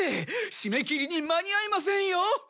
締め切りに間に合いませんよ！